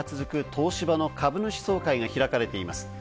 東芝の株主総会が開かれています。